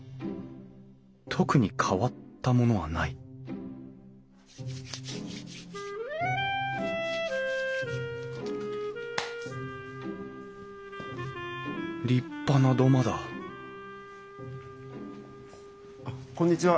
特に変わったものはない立派な土間だこんにちは。